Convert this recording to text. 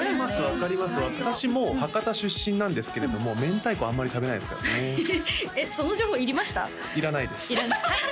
私も博多出身なんですけれどもめんたいこあんまり食べないですからねえっ